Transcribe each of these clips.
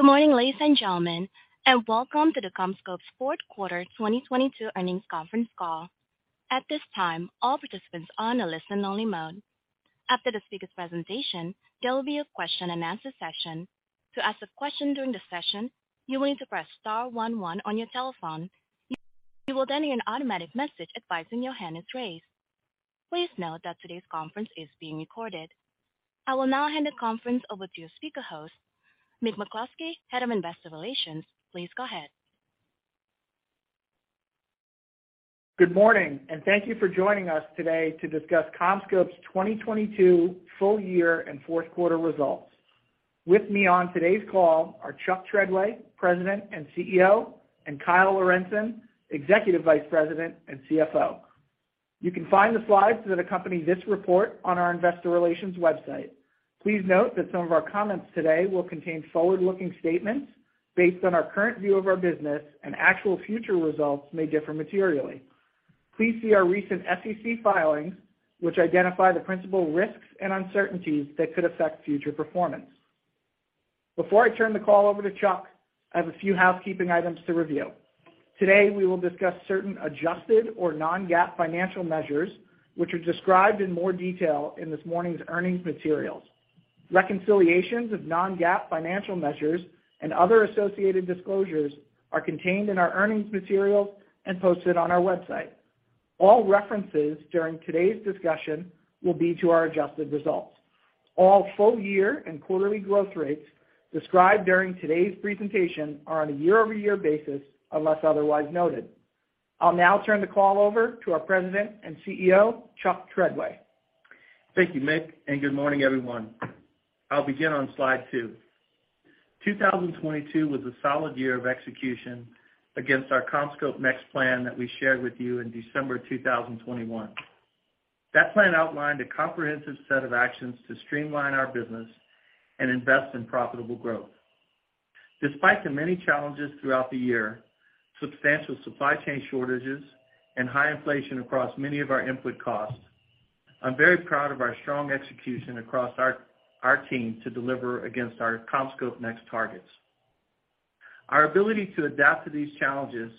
Good morning, ladies and gentlemen, welcome to the CommScope's fourth quarter 2022 earnings conference call. At this time, all participants are on a listen only mode. After the speaker's presentation, there will be a question and answer session. To ask a question during the session, you will need to press star 1 1 on your telephone. You will then hear an automatic message advising your hand is raised. Please note that today's conference is being recorded. I will now hand the conference over to your speaker host, Michael McCloskey, Head of Investor Relations. Please go ahead. Good morning, thank you for joining us today to discuss CommScope's 2022 full year and fourth quarter results. With me on today's call are Chuck Treadway, President and CEO, and Kyle Lorentzen, Executive Vice President and CFO. You can find the slides that accompany this report on our investor relations website. Please note that some of our comments today will contain forward-looking statements based on our current view of our business and actual future results may differ materially. Please see our recent SEC filings, which identify the principal risks and uncertainties that could affect future performance. Before I turn the call over to Chuck, I have a few housekeeping items to review. Today, we will discuss certain adjusted or non-GAAP financial measures, which are described in more detail in this morning's earnings materials. Reconciliations of non-GAAP financial measures and other associated disclosures are contained in our earnings materials and posted on our website. All references during today's discussion will be to our adjusted results. All full year and quarterly growth rates described during today's presentation are on a year-over-year basis, unless otherwise noted. I'll now turn the call over to our President and CEO, Chuck Treadway. Thank you, Mick. Good morning, everyone. I'll begin on slide two. 2022 was a solid year of execution against our CommScope NEXT plan that we shared with you in December 2021. That plan outlined a comprehensive set of actions to streamline our business and invest in profitable growth. Despite the many challenges throughout the year, substantial supply chain shortages and high inflation across many of our input costs, I'm very proud of our strong execution across our team to deliver against our CommScope NEXT targets. Our ability to adapt to these challenges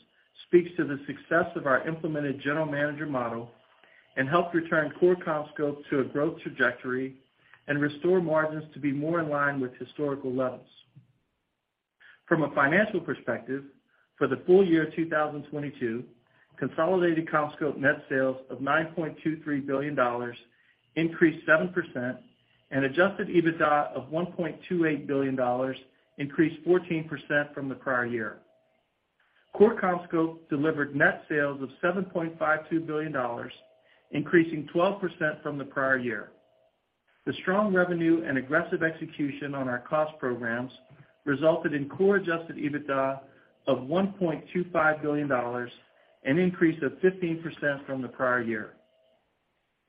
speaks to the success of our implemented general manager model and helped return core CommScope to a growth trajectory and restore margins to be more in line with historical levels. From a financial perspective, for the full year 2022, consolidated CommScope net sales of $9.23 billion increased 7% and adjusted EBITDA of $1.28 billion increased 14% from the prior year. Core CommScope delivered net sales of $7.52 billion, increasing 12% from the prior year. The strong revenue and aggressive execution on our cost programs resulted in core adjusted EBITDA of $1.25 billion, an increase of 15% from the prior year.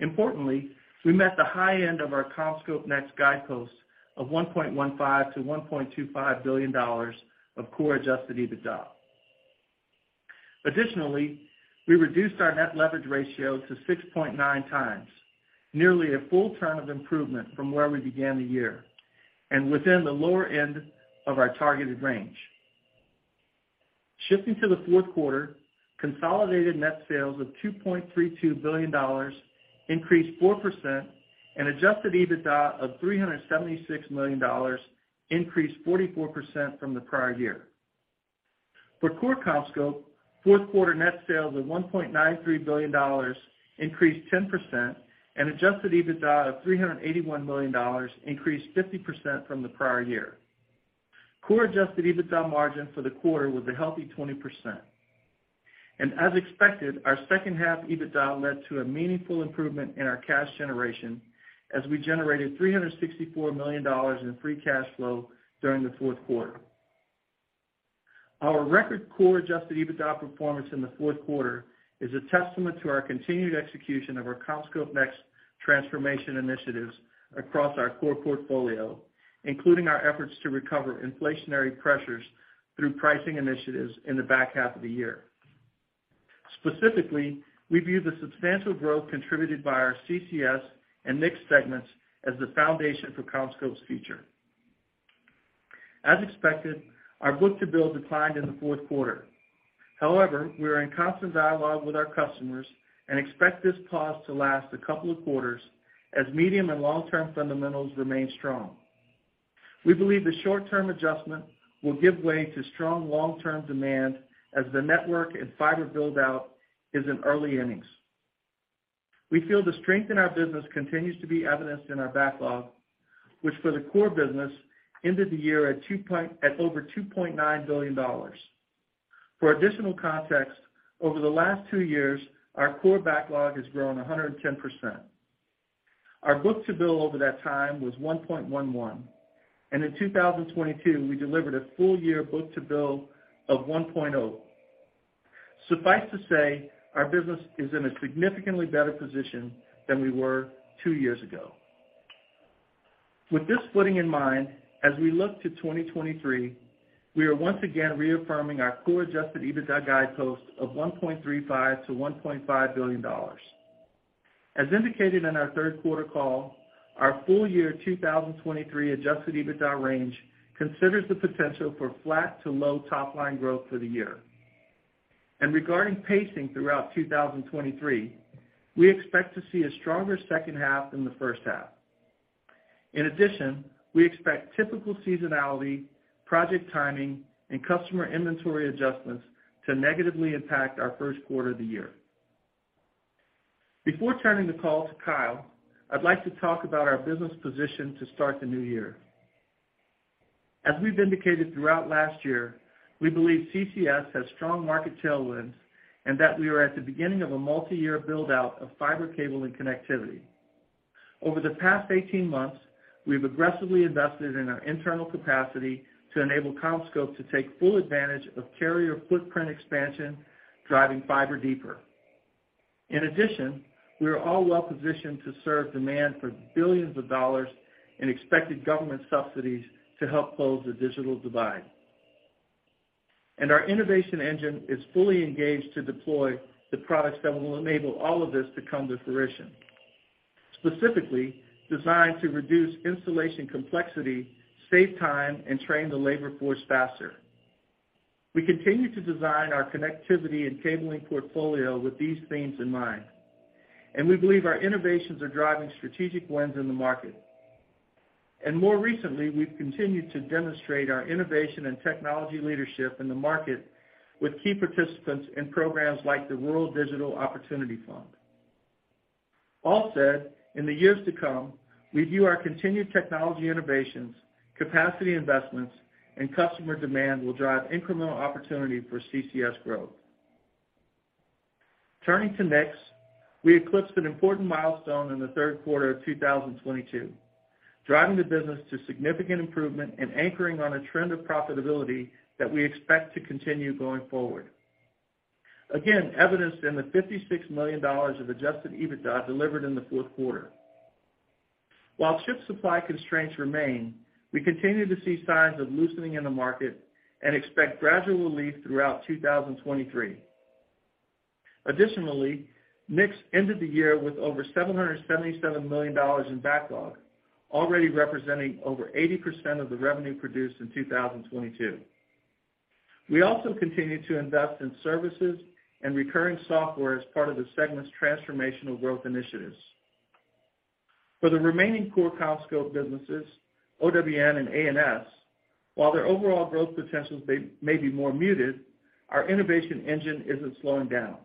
Importantly, we met the high end of our CommScope NEXT guideposts of $1.15 billion-$1.25 billion of core adjusted EBITDA. Additionally, we reduced our net leverage ratio to 6.9x, nearly a full turn of improvement from where we began the year, and within the lower end of our targeted range. Shifting to the fourth quarter, consolidated net sales of $2.32 billion increased 4% and adjusted EBITDA of $376 million increased 44% from the prior year. For core CommScope, fourth quarter net sales of $1.93 billion increased 10% and adjusted EBITDA of $381 million increased 50% from the prior year. Core adjusted EBITDA margin for the quarter was a healthy 20%. As expected, our second half EBITDA led to a meaningful improvement in our cash generation as we generated $364 million in free cash flow during the fourth quarter. Our record core adjusted EBITDA performance in the fourth quarter is a testament to our continued execution of our CommScope NEXT transformation initiatives across our core portfolio, including our efforts to recover inflationary pressures through pricing initiatives in the back half of the year. Specifically, we view the substantial growth contributed by our CCS and NICS segments as the foundation for CommScope's future. As expected, our book-to-bill declined in the fourth quarter. However, we are in constant dialogue with our customers and expect this pause to last a couple of quarters as medium and long-term fundamentals remain strong. We believe the short-term adjustment will give way to strong long-term demand as the network and fiber build out is in early innings. We feel the strength in our business continues to be evidenced in our backlog, which for the core business ended the year at two point... at over $2.9 billion. For additional context, over the last two years, our core backlog has grown 110%. Our book-to-bill over that time was 1.11. In 2022, we delivered a full year book-to-bill of 1.0. Suffice to say, our business is in a significantly better position than we were two years ago. With this footing in mind, as we look to 2023, we are once again reaffirming our core adjusted EBITDA guidepost of $1.35 billion-$1.5 billion. As indicated in our third quarter call, our full year 2023 adjusted EBITDA range considers the potential for flat to low top-line growth for the year. Regarding pacing throughout 2023, we expect to see a stronger second half than the first half. In addition, we expect typical seasonality, project timing, and customer inventory adjustments to negatively impact our first quarter of the year. Before turning the call to Kyle, I'd like to talk about our business position to start the new year. As we've indicated throughout last year, we believe CCS has strong market tailwinds, and that we are at the beginning of a multi-year build-out of fiber cable and connectivity. Over the past 18 months, we've aggressively invested in our internal capacity to enable CommScope to take full advantage of carrier footprint expansion, driving fiber deeper. In addition, we are all well-positioned to serve demand for $ billions in expected government subsidies to help close the digital divide. Our innovation engine is fully engaged to deploy the products that will enable all of this to come to fruition, specifically designed to reduce installation complexity, save time, and train the labor force faster. We continue to design our connectivity and cabling portfolio with these themes in mind, and we believe our innovations are driving strategic wins in the market. More recently, we've continued to demonstrate our innovation and technology leadership in the market with key participants in programs like the Rural Digital Opportunity Fund. All said, in the years to come, we view our continued technology innovations, capacity investments, and customer demand will drive incremental opportunity for CCS growth. Turning to NICS, we eclipsed an important milestone in the third quarter of 2022, driving the business to significant improvement and anchoring on a trend of profitability that we expect to continue going forward. Again, evidenced in the $56 million of adjusted EBITDA delivered in the fourth quarter. While ship supply constraints remain, we continue to see signs of loosening in the market and expect gradual relief throughout 2023. NICS ended the year with over $777 million in backlog, already representing over 80% of the revenue produced in 2022. We also continue to invest in services and recurring software as part of the segment's transformational growth initiatives. For the remaining core CommScope businesses, OWN and ANS, while their overall growth potentials may be more muted, our innovation engine isn't slowing down.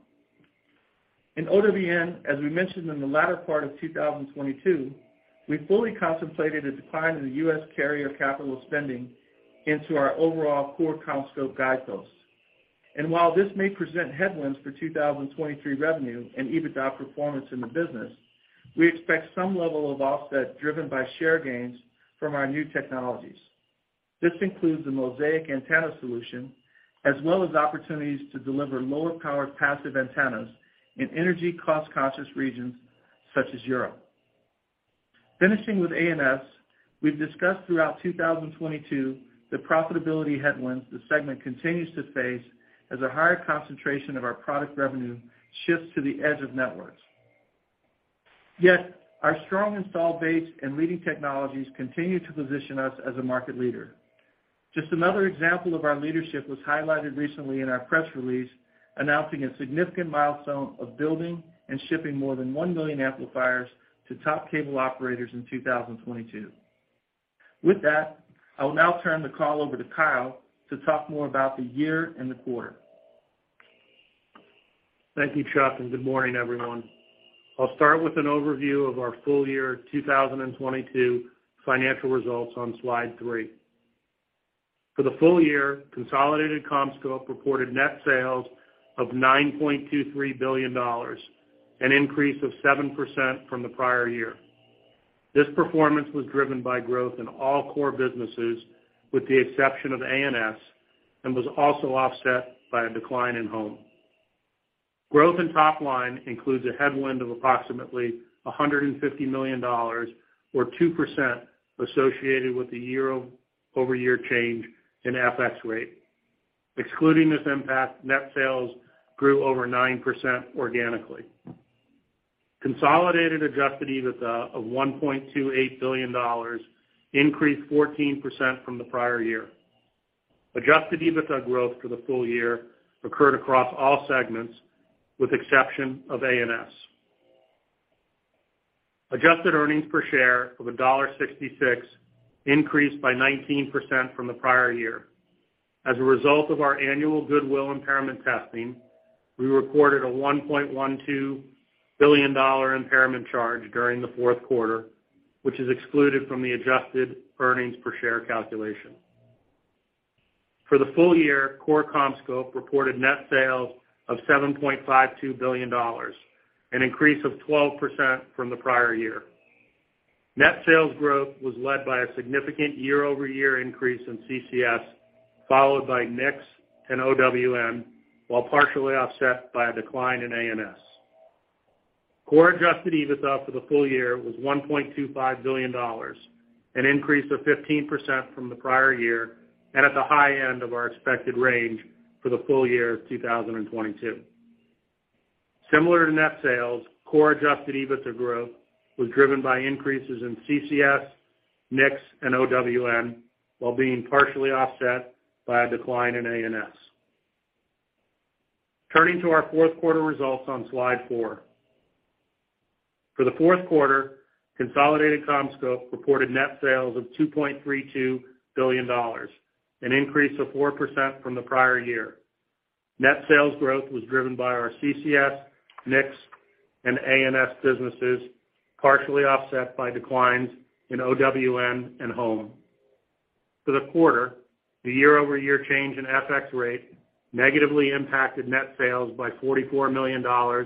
In OWN, as we mentioned in the latter part of 2022, we fully contemplated a decline in the U.S. carrier capital spending into our overall core CommScope guideposts. While this may present headwinds for 2023 revenue and EBITDA performance in the business, we expect some level of offset driven by share gains from our new technologies. This includes the Mosaic antenna solution, as well as opportunities to deliver lower power passive antennas in energy cost-conscious regions such as Europe. Finishing with ANS, we've discussed throughout 2022 the profitability headwinds the segment continues to face as a higher concentration of our product revenue shifts to the edge of networks. Our strong install base and leading technologies continue to position us as a market leader. Just another example of our leadership was highlighted recently in our press release announcing a significant milestone of building and shipping more than 1 million amplifiers to top cable operators in 2022. With that, I will now turn the call over to Kyle to talk more about the year and the quarter. Thank you, Chuck. Good morning, everyone. I'll start with an overview of our full year 2022 financial results on slide three. For the full year, consolidated CommScope reported net sales of $9.23 billion, an increase of 7% from the prior year. This performance was driven by growth in all core businesses, with the exception of ANS, and was also offset by a decline in Home. Growth in top line includes a headwind of approximately $150 million or 2% associated with the year-over-year change in FX rate. Excluding this impact, net sales grew over 9% organically. Consolidated adjusted EBITDA of $1.28 billion increased 14% from the prior year. Adjusted EBITDA growth for the full year occurred across all segments, with exception of ANS. Adjusted earnings per share of $1.66 increased by 19% from the prior year. As a result of our annual goodwill impairment testing, we reported a $1.12 billion impairment charge during the fourth quarter, which is excluded from the adjusted earnings per share calculation. For the full year, core CommScope reported net sales of $7.52 billion, an increase of 12% from the prior year. Net sales growth was led by a significant year-over-year increase in CCS, followed by NICS and OWN, while partially offset by a decline in ANS. Core adjusted EBITDA for the full year was $1.25 billion. An increase of 15% from the prior year and at the high end of our expected range for the full year of 2022. Similar to net sales, core adjusted EBITDA growth was driven by increases in CCS, NICS, and OWN, while being partially offset by a decline in ANS. Turning to our fourth quarter results on slide 4. For the fourth quarter, consolidated CommScope reported net sales of $2.32 billion, an increase of 4% from the prior year. Net sales growth was driven by our CCS, NICS, and ANS businesses, partially offset by declines in OWN and Home. For the quarter, the year-over-year change in FX rate negatively impacted net sales by $44 million or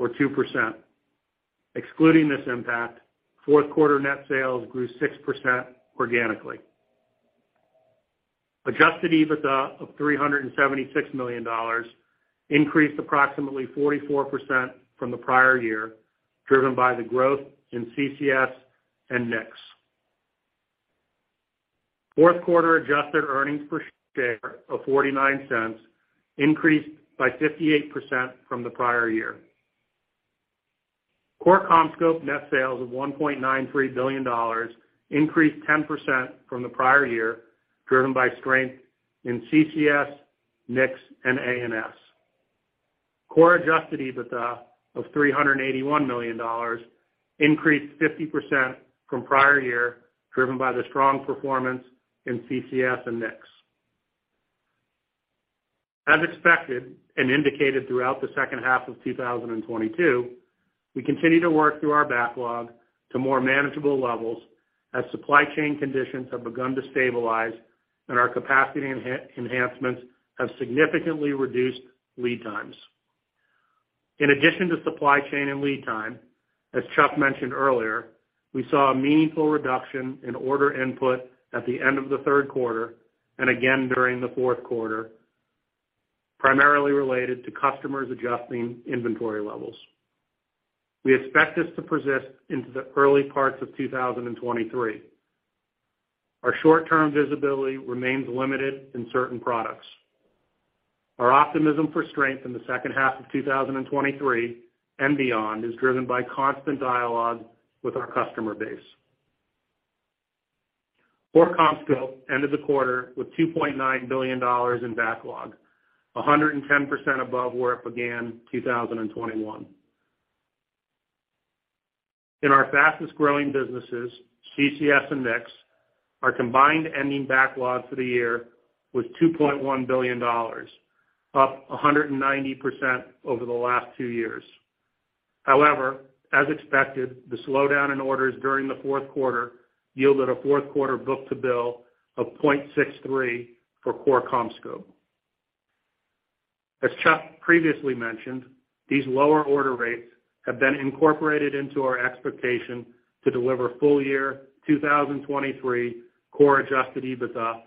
2%. Excluding this impact, fourth quarter net sales grew 6% organically. Adjusted EBITDA of $376 million increased approximately 44% from the prior year, driven by the growth in CCS and NICS. Fourth quarter adjusted earnings per share of $0.49 increased by 58% from the prior year. Core CommScope net sales of $1.93 billion increased 10% from the prior year, driven by strength in CCS, NICS, and ANS. Core adjusted EBITDA of $381 million increased 50% from prior year, driven by the strong performance in CCS and NICS. As expected and indicated throughout the second half of 2022, we continue to work through our backlog to more manageable levels as supply chain conditions have begun to stabilize and our capacity enhancements have significantly reduced lead times. In addition to supply chain and lead time, as Chuck mentioned earlier, we saw a meaningful reduction in order input at the end of the third quarter and again during the fourth quarter, primarily related to customers adjusting inventory levels. We expect this to persist into the early parts of 2023. Our short-term visibility remains limited in certain products. Our optimism for strength in the second half of 2023 and beyond is driven by constant dialogue with our customer base. Core CommScope ended the quarter with $2.9 billion in backlog, 110% above where it began 2021. In our fastest-growing businesses, CCS and NICS, our combined ending backlog for the year was $2.1 billion, up 190% over the last two years. As expected, the slowdown in orders during the fourth quarter yielded a fourth quarter book-to-bill of 0.63 for Core CommScope. As Chuck previously mentioned, these lower order rates have been incorporated into our expectation to deliver full year 2023 core adjusted EBITDA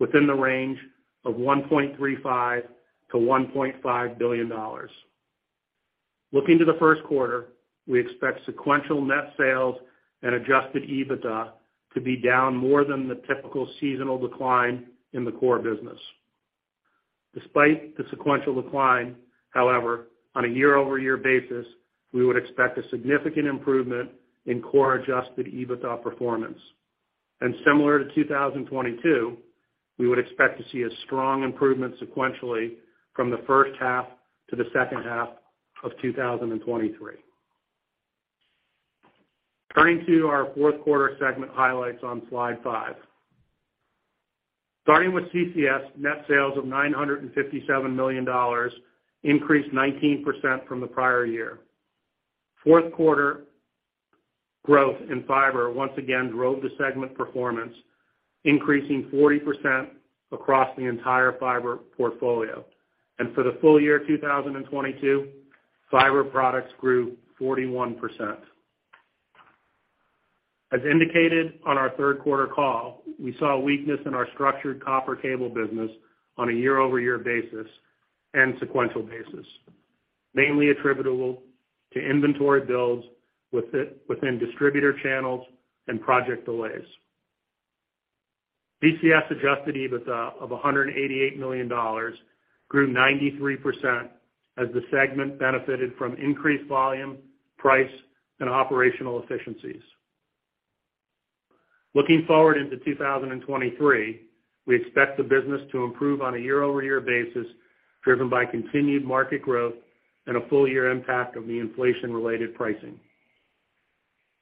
within the range of $1.35 billion-$1.5 billion. Looking to the first quarter, we expect sequential net sales and adjusted EBITDA to be down more than the typical seasonal decline in the core business. Despite the sequential decline, however, on a year-over-year basis, we would expect a significant improvement in core adjusted EBITDA performance. Similar to 2022, we would expect to see a strong improvement sequentially from the first half to the second half of 2023. Turning to our fourth quarter segment highlights on slide five. Starting with CCS, net sales of $957 million increased 19% from the prior year. Fourth quarter growth in fiber once again drove the segment performance, increasing 40% across the entire fiber portfolio. For the full year 2022, fiber products grew 41%. As indicated on our third quarter call, we saw a weakness in our structured copper cable business on a year-over-year basis and sequential basis, mainly attributable to inventory builds within distributor channels and project delays. CCS adjusted EBITDA of $188 million grew 93% as the segment benefited from increased volume, price, and operational efficiencies. Looking forward into 2023, we expect the business to improve on a year-over-year basis, driven by continued market growth and a full year impact of the inflation-related pricing.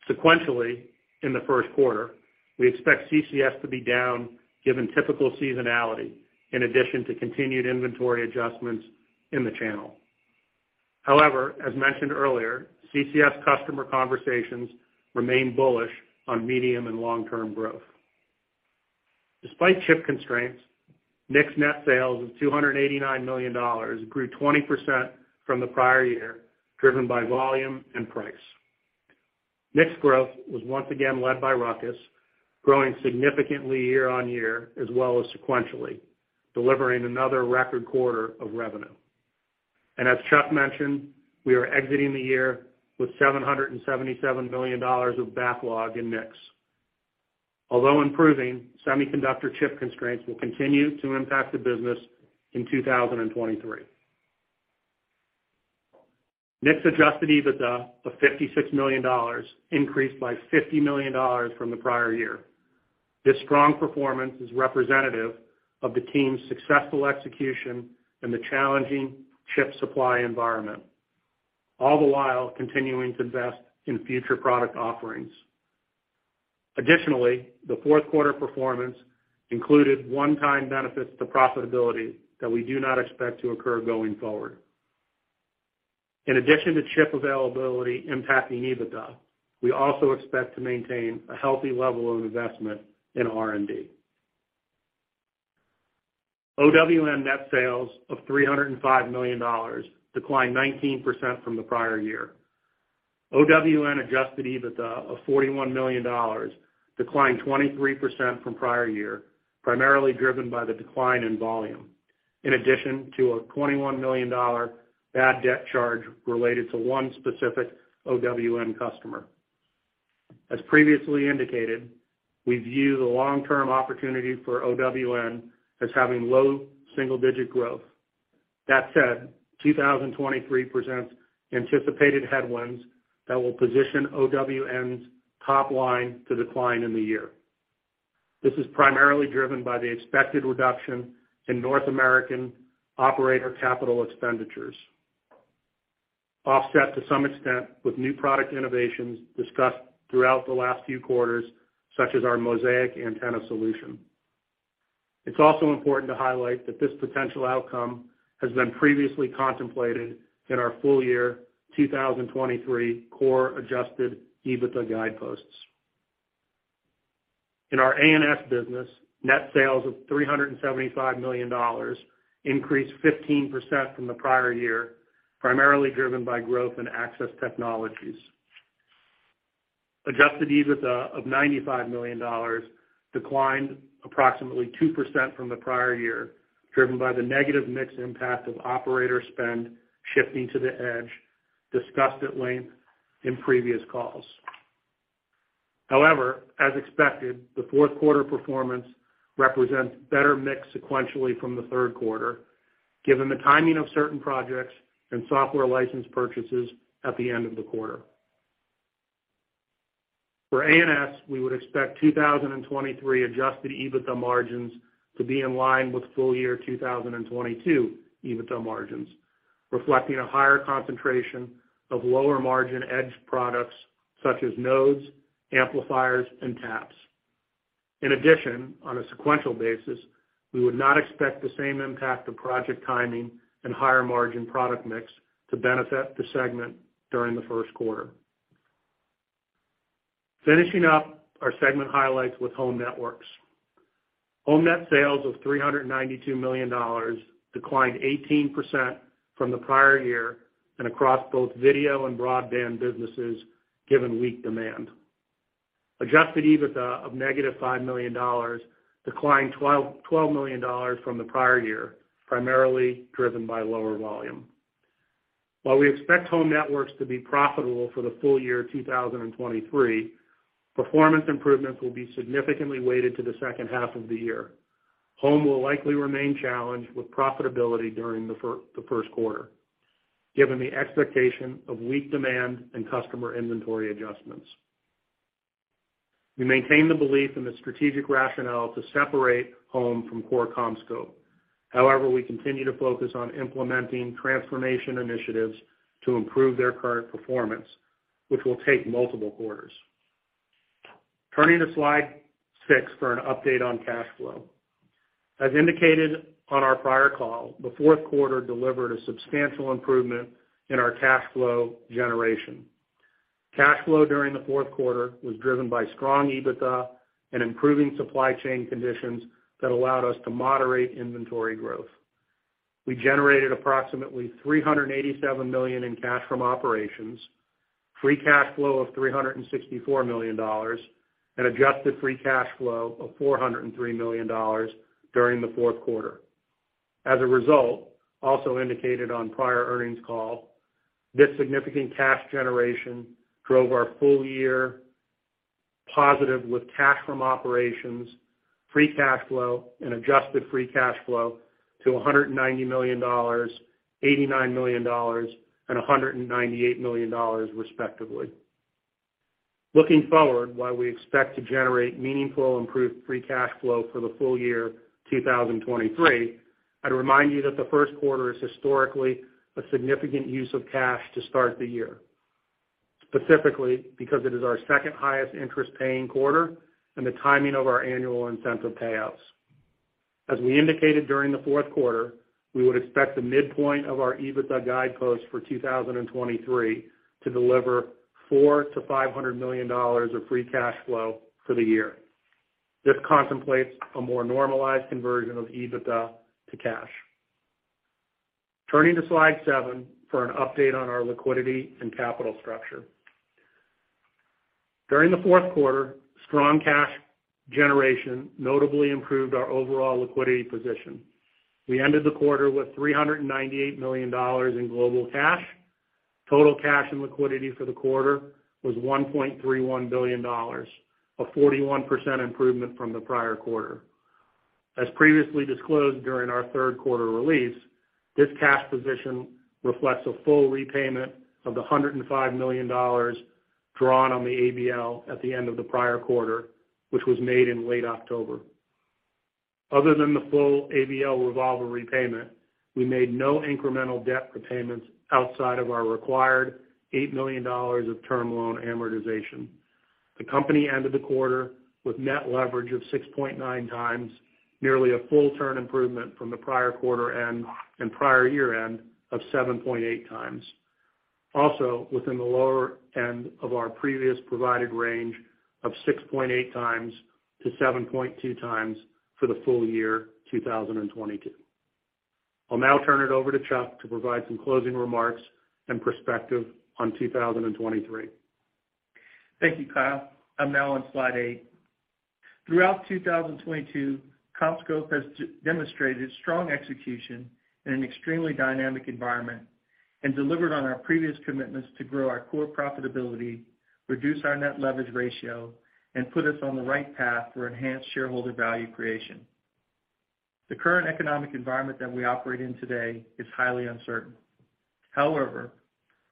Sequentially, in the first quarter, we expect CCS to be down given typical seasonality, in addition to continued inventory adjustments in the channel. As mentioned earlier, CCS customer conversations remain bullish on medium and long-term growth. Despite chip constraints, NICS net sales of $289 million grew 20% from the prior year, driven by volume and price. NICS growth was once again led by RUCKUS, growing significantly year-on-year as well as sequentially, delivering another record quarter of revenue. As Chuck mentioned, we are exiting the year with $777 million of backlog in NICS. Although improving, semiconductor chip constraints will continue to impact the business in 2023. NICS adjusted EBITDA of $56 million increased by $50 million from the prior year. This strong performance is representative of the team's successful execution in the challenging chip supply environment, all the while continuing to invest in future product offerings. Additionally, the fourth quarter performance included one-time benefits to profitability that we do not expect to occur going forward. In addition to chip availability impacting EBITDA, we also expect to maintain a healthy level of investment in R&D. OWN net sales of $305 million declined 19% from the prior year. OWN adjusted EBITDA of $41 million declined 23% from prior year, primarily driven by the decline in volume, in addition to a $21 million bad debt charge related to one specific OWN customer. As previously indicated, we view the long-term opportunity for OWN as having low single-digit growth. That said, 2023 presents anticipated headwinds that will position OWN's top line to decline in the year. This is primarily driven by the expected reduction in North American operator capital expenditures, offset to some extent with new product innovations discussed throughout the last few quarters, such as our Mosaic antenna solution. It's also important to highlight that this potential outcome has been previously contemplated in our full year 2023 core adjusted EBITDA guideposts. In our ANS business, net sales of $375 million increased 15% from the prior year, primarily driven by growth in access technologies. Adjusted EBITDA of $95 million declined approximately 2% from the prior year, driven by the negative mix impact of operator spend shifting to the edge discussed at length in previous calls. However, as expected, the fourth quarter performance represents better mix sequentially from the third quarter, given the timing of certain projects and software license purchases at the end of the quarter. For ANS, we would expect 2023 adjusted EBITDA margins to be in line with full year 2022 EBITDA margins, reflecting a higher concentration of lower-margin edge products such as nodes, amplifiers, and taps. In addition, on a sequential basis, we would not expect the same impact of project timing and higher-margin product mix to benefit the segment during the first quarter. Finishing up our segment highlights with Home Networks. Home net sales of $392 million declined 18% from the prior year and across both video and broadband businesses, given weak demand. Adjusted EBITDA of -$5 million declined $12 million from the prior year, primarily driven by lower volume. We expect Home Networks to be profitable for the full year 2023, performance improvements will be significantly weighted to the second half of the year. Home will likely remain challenged with profitability during the first quarter, given the expectation of weak demand and customer inventory adjustments. We maintain the belief in the strategic rationale to separate Home from core CommScope. We continue to focus on implementing transformation initiatives to improve their current performance, which will take multiple quarters. Turning to slide 6 for an update on cash flow. As indicated on our prior call, the fourth quarter delivered a substantial improvement in our cash flow generation. Cash flow during the fourth quarter was driven by strong EBITDA and improving supply chain conditions that allowed us to moderate inventory growth. We generated approximately $387 million in cash from operations, free cash flow of $364 million, and adjusted free cash flow of $403 million during the fourth quarter. As a result, also indicated on prior earnings call, this significant cash generation drove our full-year positive with cash from operations, free cash flow, and adjusted free cash flow to $190 million, $89 million, and $198 million, respectively. Looking forward, while we expect to generate meaningful improved free cash flow for the full year 2023, I'd remind you that the first quarter is historically a significant use of cash to start the year, specifically because it is our second highest interest-paying quarter and the timing of our annual incentive payouts. As we indicated during the fourth quarter, we would expect the midpoint of our EBITDA guideposts for 2023 to deliver $400 million-$500 million of free cash flow for the year. This contemplates a more normalized conversion of EBITDA to cash. Turning to slide seven for an update on our liquidity and capital structure. During the fourth quarter, strong cash generation notably improved our overall liquidity position. We ended the quarter with $398 million in global cash. Total cash and liquidity for the quarter was $1.31 billion, a 41% improvement from the prior quarter. As previously disclosed during our third quarter release, this cash position reflects a full repayment of the $105 million drawn on the ABL at the end of the prior quarter, which was made in late October. Other than the full ABL revolver repayment, we made no incremental debt repayments outside of our required $8 million of term loan amortization. The company ended the quarter with net leverage of 6.9x, nearly a full turn improvement from the prior quarter end and prior year end of 7.8x. Also, within the lower end of our previous provided range of 6.8x-7.2x for the full year 2022. I'll now turn it over to Chuck to provide some closing remarks and perspective on 2023. Thank you, Kyle. I'm now on slide eight. Throughout 2022, CommScope has demonstrated strong execution in an extremely dynamic environment and delivered on our previous commitments to grow our core profitability, reduce our net leverage ratio, and put us on the right path for enhanced shareholder value creation. The current economic environment that we operate in today is highly uncertain. However,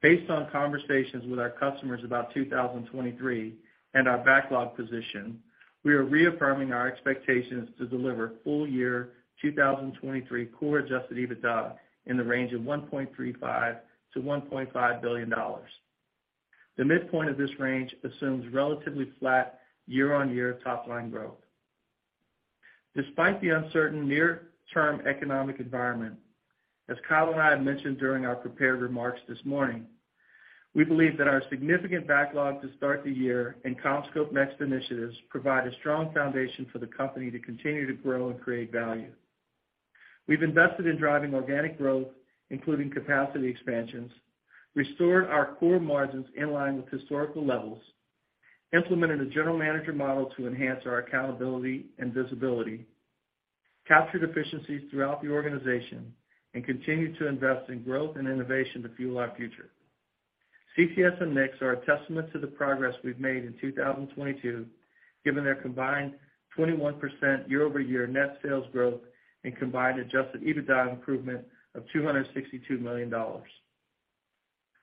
based on conversations with our customers about 2023 and our backlog position, we are reaffirming our expectations to deliver full year 2023 core adjusted EBITDA in the range of $1.35 billion-$1.5 billion. The midpoint of this range assumes relatively flat year-on-year top line growth. Despite the uncertain near term economic environment, as Kyle and I have mentioned during our prepared remarks this morning, we believe that our significant backlog to start the year and CommScope NEXT initiatives provide a strong foundation for the company to continue to grow and create value. We've invested in driving organic growth, including capacity expansions, restored our core margins in line with historical levels, implemented a general manager model to enhance our accountability and visibility, captured efficiencies throughout the organization and continued to invest in growth and innovation to fuel our future. CTS and NICS are a testament to the progress we've made in 2022, given their combined 21% year-over-year net sales growth and combined adjusted EBITDA improvement of $262 million.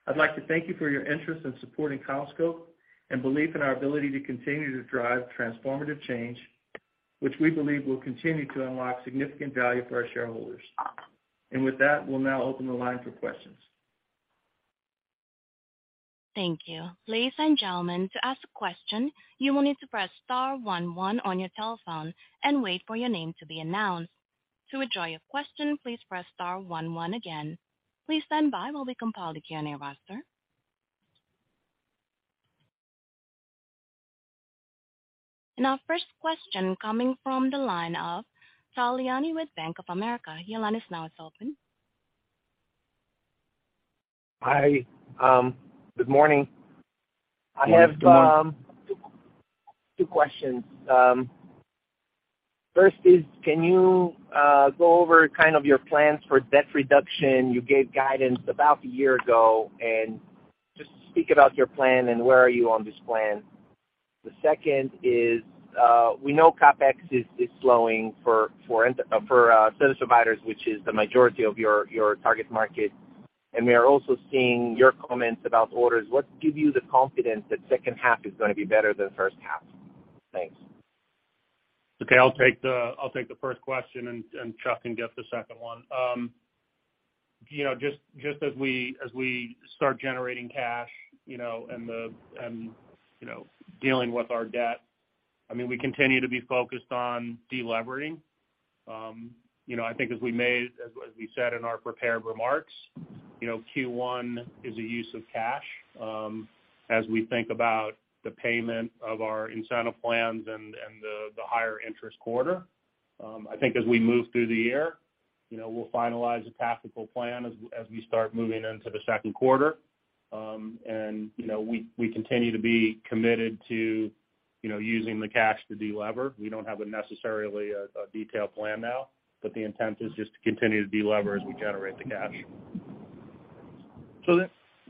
I'd like to thank you for your interest in supporting CommScope and belief in our ability to continue to drive transformative change, which we believe will continue to unlock significant value for our shareholders. With that, we'll now open the line for questions. Thank you. Ladies and gentlemen, to ask a question, you will need to press star one one on your telephone and wait for your name to be announced. To withdraw your question, please press star one one again. Please stand by while we compile the Q&A roster. Our first question coming from the line of Tal Liani with Bank of America. Your line is now open. Hi, good morning. Good morning. I have two questions. First is can you go over kind of your plans for debt reduction? You gave guidance about 1 year ago, and just speak about your plan and where are you on this plan. The second is we know CapEx is slowing for service providers, which is the majority of your target market. We are also seeing your comments about orders. What give you the confidence that second half is gonna be better than first half? Thanks. Okay. I'll take the first question and Chuck can get the second one. You know, just as we start generating cash, you know, and, you know, dealing with our debt, I mean, we continue to be focused on delevering. You know, I think as we said in our prepared remarks, you know, Q1 is a use of cash as we think about the payment of our incentive plans and the higher interest quarter. I think as we move through the year, you know, we'll finalize a tactical plan as we start moving into the second quarter. You know, we continue to be committed to, you know, using the cash to delever. We don't have a necessarily a detailed plan now, but the intent is just to continue to delever as we generate the cash.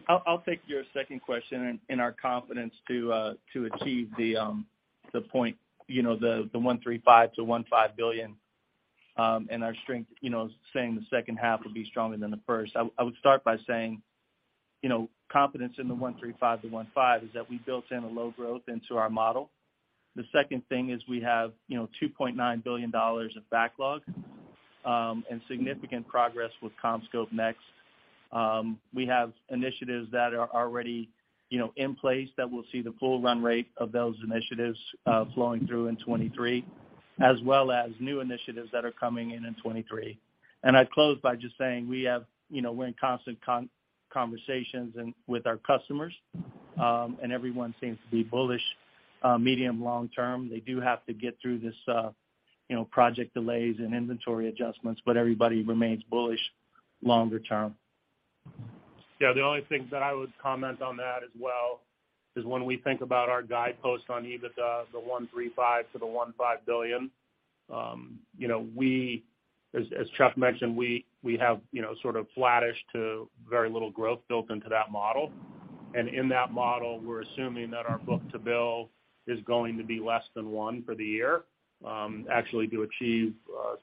I'll take your second question in our confidence to achieve the point, you know, the $1.35 billion-$1.5 billion, and our strength, you know, saying the second half will be stronger than the first. I would start by saying, you know, confidence in the $1.35 billion-$1.5 billion is that we built in a low growth into our model. The second thing is we have, you know, $2.9 billion of backlog, and significant progress with CommScope NEXT. We have initiatives that are already, you know, in place that we'll see the full run rate of those initiatives, flowing through in 2023, as well as new initiatives that are coming in in 2023. I'd close by just saying we have, you know, we're in constant conversations and with our customers, and everyone seems to be bullish, medium long term. They do have to get through this, you know, project delays and inventory adjustments, but everybody remains bullish longer term. Yeah, the only thing that I would comment on that as well is when we think about our guidepost on EBITDA, the $1.35 billion-$1.5 billion, you know, we as Chuck mentioned, we have, you know, sort of flattish to very little growth built into that model. In that model, we're assuming that our book-to-bill is going to be less than 1 for the year, actually to achieve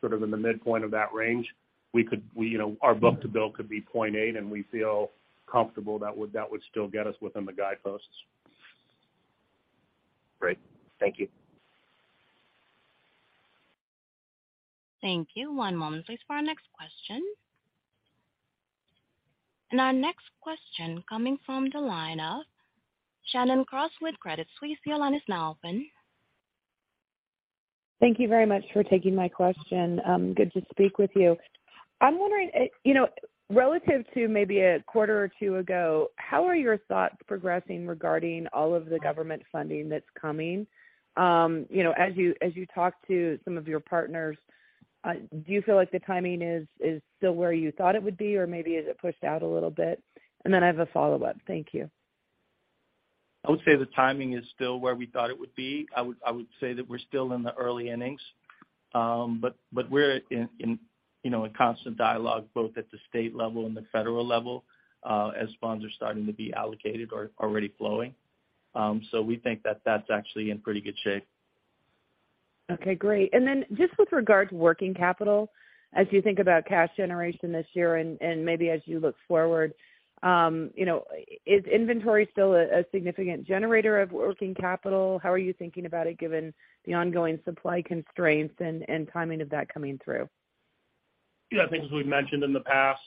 sort of in the midpoint of that range. We could, you know, our book-to-bill could be 0.8, and we feel comfortable that would still get us within the guideposts. Great. Thank you. Thank you. One moment please for our next question. Our next question coming from the line of Shannon Cross with Credit Suisse. Your line is now open. Thank you very much for taking my question. Good to speak with you. I'm wondering, you know, relative to maybe a quarter or two ago, how are your thoughts progressing regarding all of the government funding that's coming? You know, as you, as you talk to some of your partners, do you feel like the timing is still where you thought it would be, or maybe is it pushed out a little bit? Then I have a follow-up. Thank you. I would say the timing is still where we thought it would be. I would say that we're still in the early innings, but we're in, you know, in constant dialogue both at the state level and the federal level, as funds are starting to be allocated or already flowing. We think that that's actually in pretty good shape. Okay, great. Then just with regard to working capital, as you think about cash generation this year and maybe as you look forward, you know, is inventory still a significant generator of working capital? How are you thinking about it given the ongoing supply constraints and timing of that coming through? Yeah, I think as we've mentioned in the past,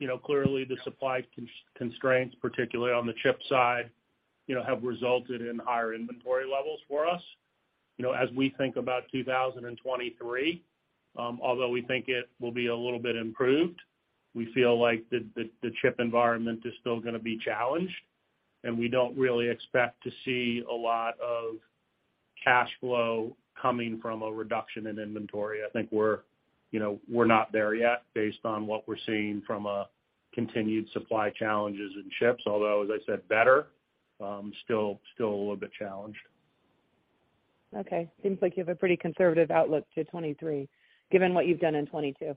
you know, clearly the supply constraints, particularly on the chip side, you know, have resulted in higher inventory levels for us. You know, as we think about 2023, although we think it will be a little bit improved, we feel like the chip environment is still gonna be challenged, and we don't really expect to see a lot of cash flow coming from a reduction in inventory. I think we're, you know, we're not there yet based on what we're seeing from a continued supply challenges in chips. Although, as I said, better, still a little bit challenged. Okay. Seems like you have a pretty conservative outlook to 2023, given what you've done in 2022.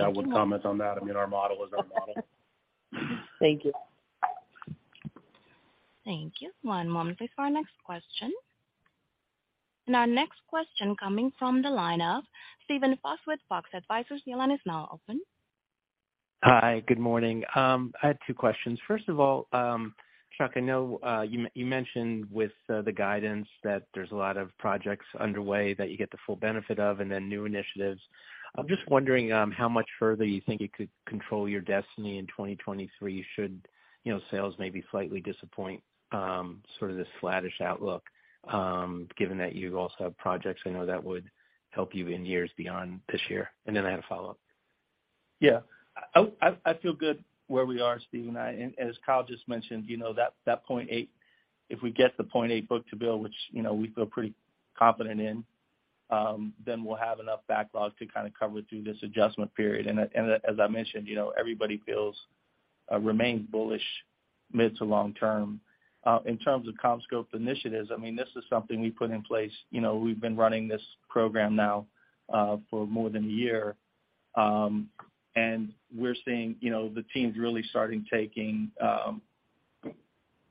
I would comment on that. I mean, our model is our model. Thank you. Thank you. One moment please for our next question. Our next question coming from the line of Steven Fox with Fox Advisors. Your line is now open. Hi. Good morning. I had two questions. First of all, Chuck, I know, you mentioned with the guidance that there's a lot of projects underway that you get the full benefit of and then new initiatives. I'm just wondering, how much further you think you could control your destiny in 2023 should, you know, sales maybe slightly disappoint, sort of this flattish outlook, given that you also have projects I know that would help you in years beyond this year. I had a follow-up. Yeah. I feel good where we are, Steven. As Kyle just mentioned, you know, that 0.8, if we get the 0.8 book-to-bill, which, you know, we feel pretty confident in, then we'll have enough backlog to kinda cover through this adjustment period. As I mentioned, you know, everybody feels, remains bullish mid to long term. In terms of CommScope initiatives, I mean, this is something we put in place. You know, we've been running this program now, for more than a year. We're seeing, you know, the teams really starting taking,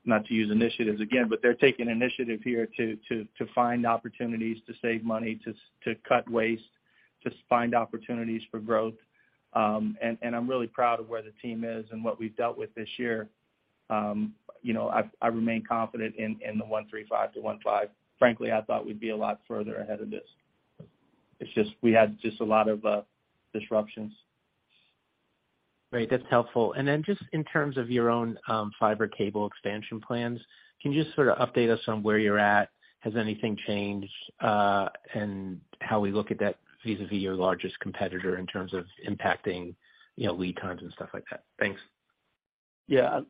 not to use initiatives again, but they're taking initiative here to find opportunities to save money, to cut waste, to find opportunities for growth. I'm really proud of where the team is and what we've dealt with this year. You know, I remain confident in the 1.35-1.5. Frankly, I thought we'd be a lot further ahead of this. It's just, we had just a lot of disruptions. Great. That's helpful. Just in terms of your own, fiber cable expansion plans, can you just sort of update us on where you're at? Has anything changed in how we look at that vis-à-vis your largest competitor in terms of impacting, you know, lead times and stuff like that? Thanks. Yeah.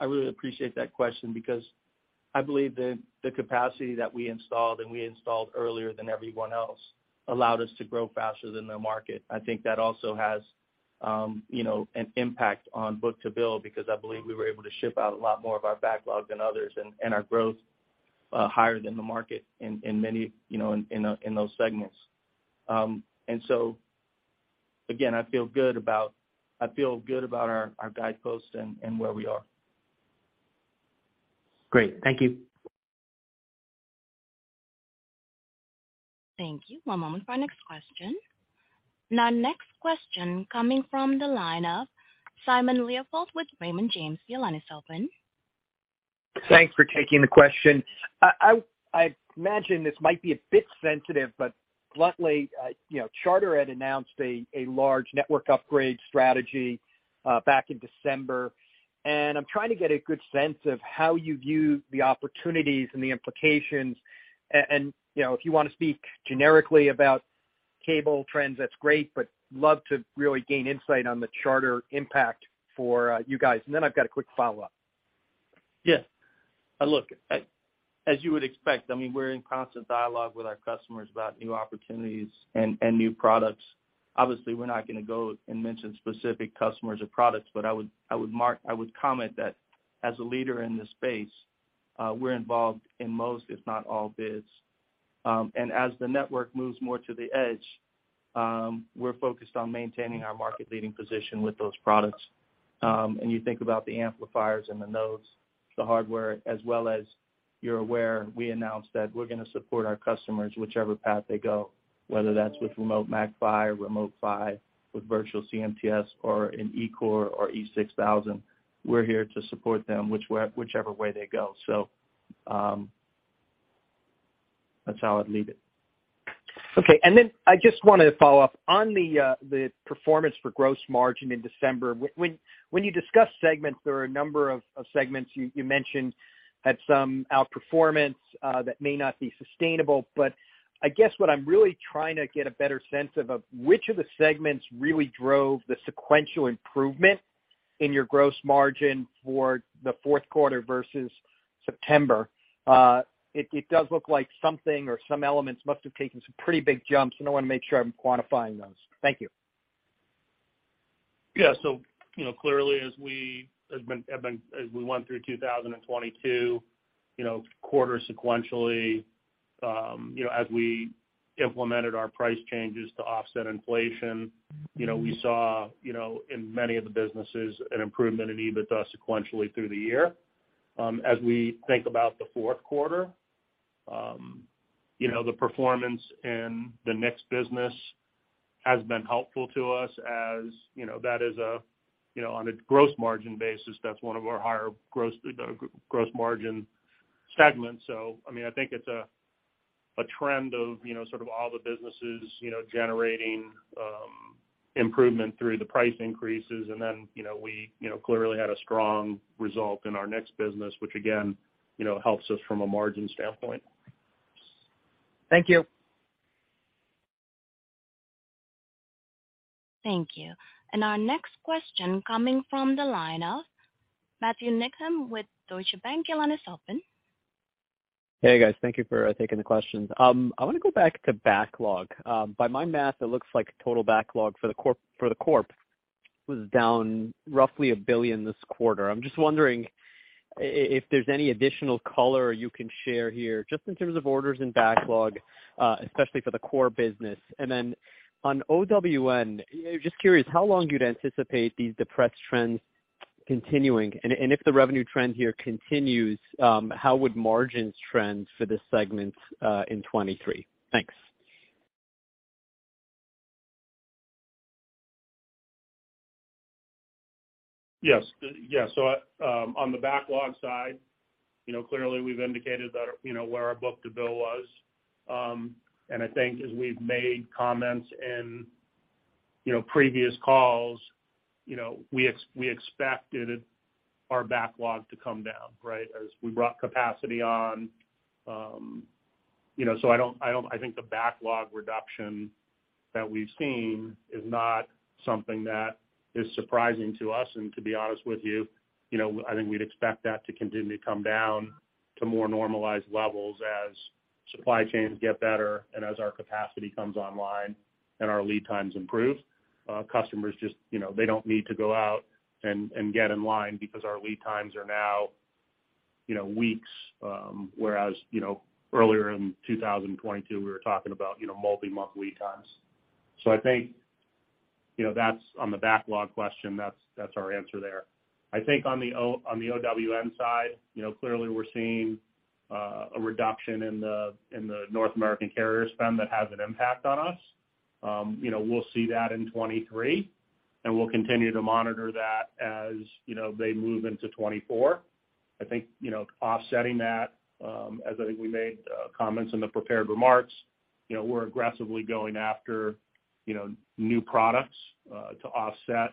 I really appreciate that question because I believe the capacity that we installed and we installed earlier than everyone else allowed us to grow faster than the market. I think that also has, you know, an impact on book-to-bill because I believe we were able to ship out a lot more of our backlog than others and our growth higher than the market in many, you know, in those segments. Again, I feel good about our guideposts and where we are. Great. Thank you. Thank you. One moment for our next question. Our next question coming from the line of Simon Leopold with Raymond James. Your line is open. Thanks for taking the question. I imagine this might be a bit sensitive, but bluntly, you know, Charter had announced a large network upgrade strategy back in December. I'm trying to get a good sense of how you view the opportunities and the implications. You know, if you wanna speak generically about cable trends, that's great, but love to really gain insight on the Charter impact for you guys. Then I've got a quick follow-up. Yes. Look, as you would expect, I mean, we're in constant dialogue with our customers about new opportunities and new products. Obviously, we're not gonna go and mention specific customers or products, but I would comment that as a leader in this space, we're involved in most, if not all bids. As the network moves more to the edge, we're focused on maintaining our market-leading position with those products. You think about the amplifiers and the nodes, the hardware, as well as you're aware, we announced that we're gonna support our customers whichever path they go, whether that's with Remote MACPHY, Remote PHY, with virtual CMTS or an eCore or E6000. We're here to support them whichever way they go. That's how I'd leave it. Okay. I just wanted to follow up. On the performance for gross margin in December, when you discuss segments, there are a number of segments you mentioned had some outperformance that may not be sustainable. I guess what I'm really trying to get a better sense of which of the segments really drove the sequential improvement in your gross margin for the fourth quarter versus September. It does look like something or some elements must have taken some pretty big jumps, and I wanna make sure I'm quantifying those. Thank you. Yeah. you know, clearly as we went through 2022, you know, quarter sequentially, you know, as we implemented our price changes to offset inflation... Mm-hmm. You know, we saw, you know, in many of the businesses an improvement in EBITDA sequentially through the year. As we think about the fourth quarter, you know, the performance in the NEXT business has been helpful to us as, you know, that is a, you know, on a gross margin basis, that's one of our higher gross margin segments. I mean, I think it's a trend of, you know, sort of all the businesses, you know, generating improvement through the price increases. Then, you know, we, you know, clearly had a strong result in our NEXT business, which again, you know, helps us from a margin standpoint. Thank you. Thank you. Our next question coming from the line of Matthew Niknam with Deutsche Bank. Your line is open. Hey, guys. Thank you for taking the questions. I want to go back to backlog. By my math, it looks like total backlog for the corp was down roughly $1 billion this quarter. I'm just wondering if there's any additional color you can share here, just in terms of orders and backlog, especially for the core business. Then on OWN, just curious how long you'd anticipate these depressed trends continuing? If the revenue trend here continues, how would margins trend for this segment in 2023? Thanks. Yes. Yeah. On the backlog side, you know, clearly we've indicated that, you know, where our book-to-bill was. I think as we've made comments in, you know, previous calls, you know, we expected our backlog to come down, right? As we brought capacity on, you know, I think the backlog reduction that we've seen is not something that is surprising to us. To be honest with you know, I think we'd expect that to continue to come down to more normalized levels as supply chains get better and as our capacity comes online and our lead times improve. customers just, you know, they don't need to go out and get in line because our lead times are now, you know, weeks, whereas, you know, earlier in 2022, we were talking about, you know, multi-month lead times. I think, you know, that's on the backlog question, that's our answer there. I think on the OWN side, you know, clearly we're seeing a reduction in the, in the North American carrier spend that has an impact on us. we'll see that in 2023, and we'll continue to monitor that as, you know, they move into 2024. I think, you know, offsetting that, as I think we made comments in the prepared remarks, you know, we're aggressively going after, you know, new products to offset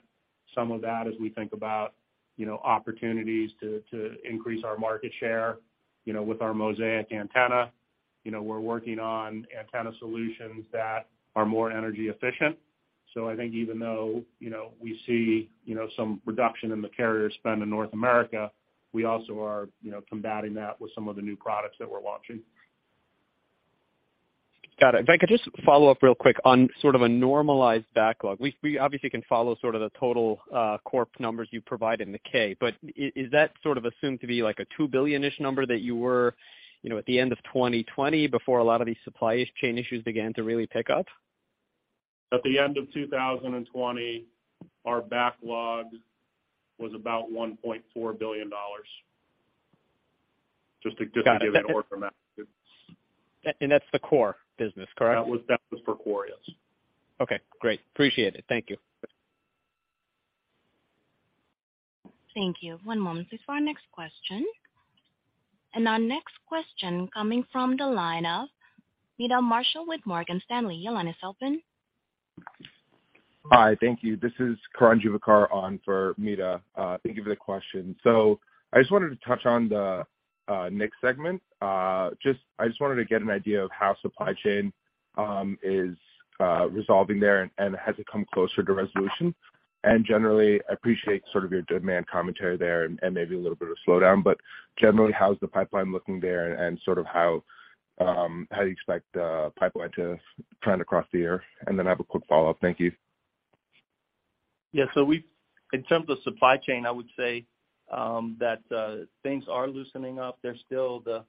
some of that as we think about, you know, opportunities to increase our market share, you know, with our Mosaic antenna. We're working on antenna solutions that are more energy efficient. I think even though, you know, we see, you know, some reduction in the carrier spend in North America, we also are, you know, combating that with some of the new products that we're launching. Got it. If I could just follow up real quick on sort of a normalized backlog, we obviously can follow sort of the total corp numbers you provide in the K. Is that sort of assumed to be like a $2 billion-ish number that you were, you know, at the end of 2020 before a lot of these supply chain issues began to really pick up? At the end of 2020, our backlog was about $1.4 billion. Got it. Just to give an order of magnitude. That's the core business, correct? That was for core, yes. Okay, great. Appreciate it. Thank you. Thank you. One moment please for our next question. Our next question coming from the line of Meta Marshall with Morgan Stanley. Your line is open. Hi. Thank you. This is Karan Juvekar on for Meta Marshall. Thank you for the question. I just wanted to touch on. Next segment. I just wanted to get an idea of how supply chain is resolving there and has it come closer to resolution? Generally, I appreciate sort of your demand commentary there and maybe a little bit of slowdown. Generally, how's the pipeline looking there and sort of how do you expect the pipeline to trend across the year? Then I have a quick follow-up. Thank you. In terms of supply chain, I would say that things are loosening up. There's still the,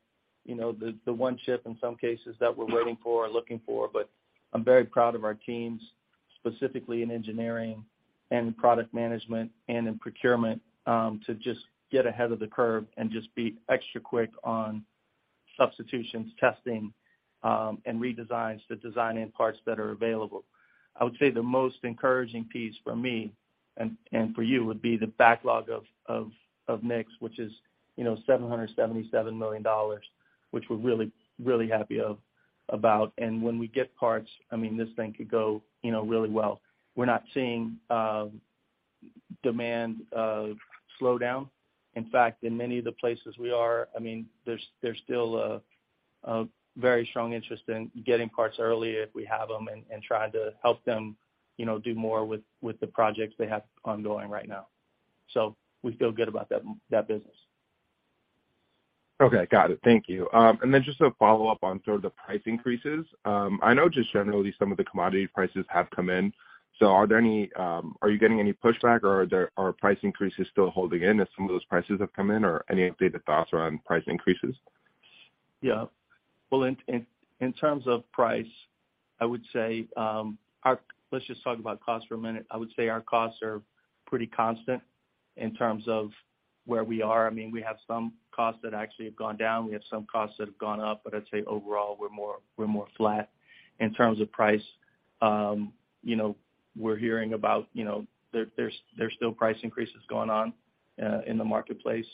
you know, the one chip in some cases that we're waiting for or looking for, but I'm very proud of our teams, specifically in engineering and product management and in procurement, to just get ahead of the curve and just be extra quick on substitutions, testing, and redesigns to design in parts that are available. I would say the most encouraging piece for me and for you would be the backlog of mix, which is, you know, $777 million, which we're really, really happy about. When we get parts, I mean, this thing could go, you know, really well. We're not seeing demand slow down. In fact, in many of the places we are, I mean, there's still a very strong interest in getting parts early if we have them and trying to help them, you know, do more with the projects they have ongoing right now. We feel good about that business. Okay. Got it. Thank you. Just a follow-up on sort of the price increases. I know just generally some of the commodity prices have come in, are you getting any pushback or are price increases still holding in as some of those prices have come in or any updated thoughts around price increases? Yeah. Well, in terms of price, I would say, Let's just talk about cost for a minute. I would say our costs are pretty constant in terms of where we are. I mean, we have some costs that actually have gone down. We have some costs that have gone up. I'd say overall, we're more flat in terms of price. You know, we're hearing about, you know, there's still price increases going on in the marketplace.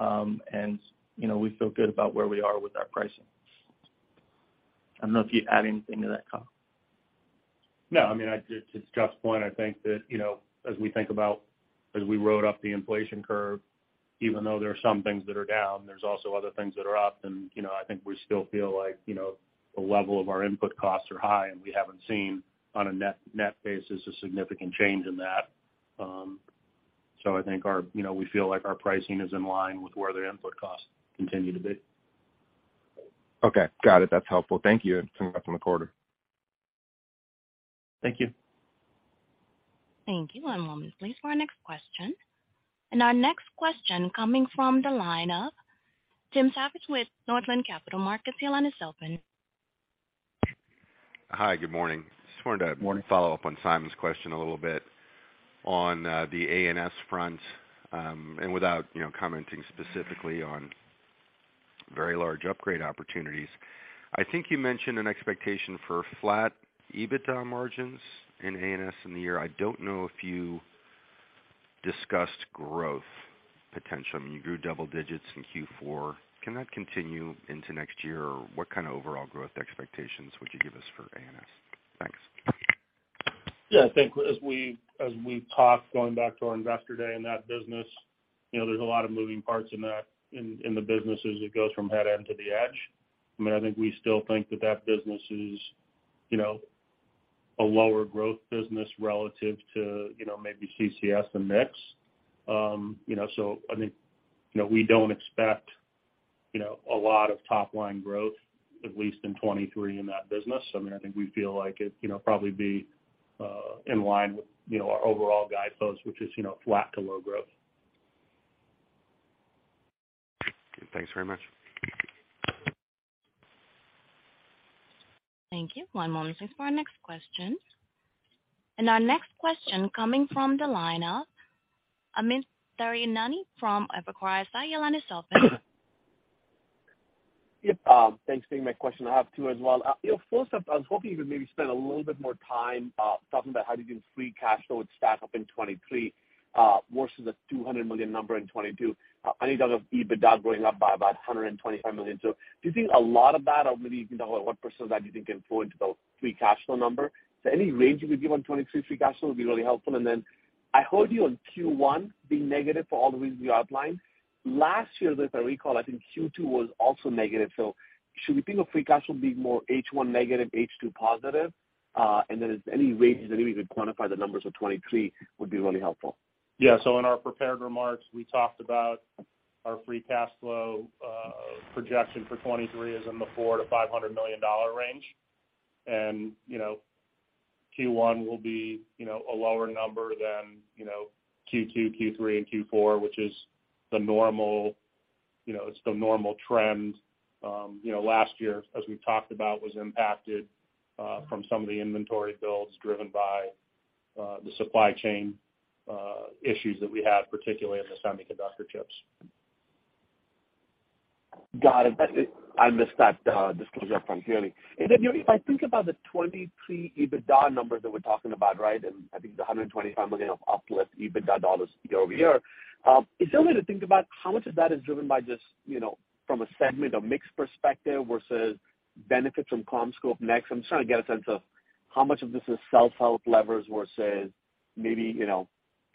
You know, we feel good about where we are with our pricing. I don't know if you'd add anything to that, Kyle. No. I mean, I just toChuck's point, I think that, you know, as we think about as we rode up the inflation curve, even though there are some things that are down, there's also other things that are up. You know, I think we still feel like, you know, the level of our input costs are high, and we haven't seen on a net basis a significant change in that. I think our, you know, we feel like our pricing is in line with where the input costs continue to be. Okay. Got it. That's helpful. Thank you, and some thoughts on the quarter. Thank you. Thank you. One moment, please, for our next question. Our next question coming from the line of Tim Savageaux with Northland Capital Markets. Your line is open. Hi. Good morning. Just wanted. Morning. Follow up on Simon's question a little bit on the ANS front, without, you know, commenting specifically on very large upgrade opportunities. I think you mentioned an expectation for flat EBITDA margins in ANS in the year. I don't know if you discussed growth potential. I mean, you grew double-digits in Q4. Can that continue into next year? Or what kind of overall growth expectations would you give us for ANS? Thanks. Yeah. I think as we talked, going back to our Investor Day in that business, you know, there's a lot of moving parts in that, in the business as it goes from headend to the edge. I mean, I think we still think that that business is, you know, a lower growth business relative to, you know, maybe CCS and mix. you know, I think, you know, we don't expect, you know, a lot of top line growth, at least in 2023 in that business. I mean, I think we feel like it, you know, probably be in line with, you know, our overall guidepost, which is, you know, flat to low growth. Thanks very much. Thank you. One moment, please, for our next question. Our next question coming from the line of Amit Daryanani from Evercore ISI. Your line is open. Yep. Thanks for taking my question. I have two as well. You know, first up, I was hoping you could maybe spend a little bit more time talking about how do you think free cash flow would stack up in 2023 versus the $200 million number in 2022. I think that was EBITDA going up by about $125 million. Do you think a lot of that, or maybe you can talk about what percent of that you think can flow into the free cash flow number? Any range you could give on 2023 free cash flow would be really helpful. I heard you on Q1 being negative for all the reasons you outlined. Last year, if I recall, I think Q2 was also negative. Should we think of free cash flow being more H1 negative, H2 positive? If any ranges, any way you could quantify the numbers of 2023 would be really helpful. Yeah. In our prepared remarks, we talked about our free cash flow projection for 2023 is in the $400 million-$500 million range. Q1 will be, you know, a lower number than, you know, Q2, Q3, and Q4, which is the normal, you know, it's the normal trend. You know, last year, as we've talked about, was impacted from some of the inventory builds driven by the supply chain issues that we had, particularly in the semiconductor chips. Got it. I missed that disclosure, frankly. If I think about the 2023 EBITDA numbers that we're talking about, right? I think the $125 million of uplift EBITDA dollars year-over-year. Is there a way to think about how much of that is driven by just, you know, from a segment or mix perspective versus benefits from CommScope NEXT? I'm just trying to get a sense of. How much of this is self-help levers versus maybe, you know,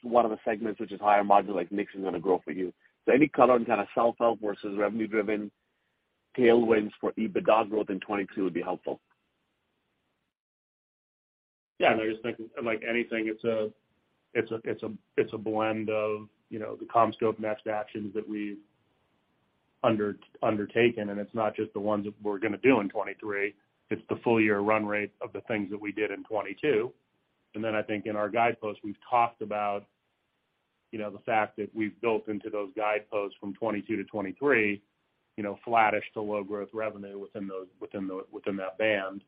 one of the segments which is higher margin like mix is gonna grow for you? Any color and kind of self-help versus revenue-driven tailwinds for EBITDA growth in 2022 would be helpful. Yeah. I just think like anything, it's a blend of, you know, the CommScope NEXT actions that we've undertaken. It's not just the ones that we're gonna do in 23, it's the full year run rate of the things that we did in 22. I think in our guidepost we've talked about, you know, the fact that we've built into those guideposts from 22 to 23, you know, flattish to low growth revenue within those, within that band.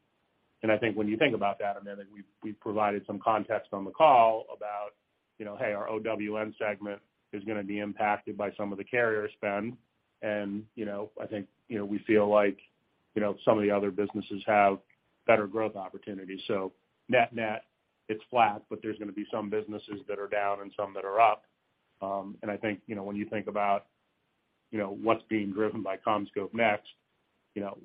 I think when you think about that a minute, we've provided some context on the call about, you know, hey, our OWN segment is gonna be impacted by some of the carrier spend. You know, I think, you know, we feel like, you know, some of the other businesses have better growth opportunities. Net-net, it's flat, but there's gonna be some businesses that are down and some that are up. I think, you know, when you think about, you know, what's being driven by CommScope NEXT, you know,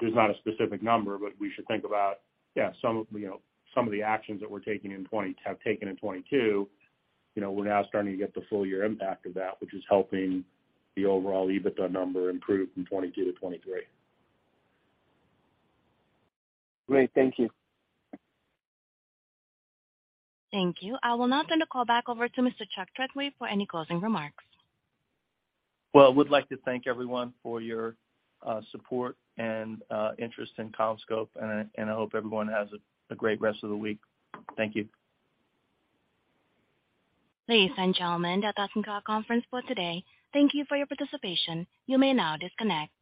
there's not a specific number, but we should think about, yeah, some of, you know, some of the actions that we have taken in 2022, you know, we're now starting to get the full year impact of that, which is helping the overall EBITDA number improve from 2022 to 2023. Great. Thank you. Thank you. I will now turn the call back over to Mr. Chuck Treadway for any closing remarks. Well, I would like to thank everyone for your support and interest in CommScope, and I hope everyone has a great rest of the week. Thank you. Ladies and gentlemen, that does end our conference for today. Thank you for your participation. You may now disconnect.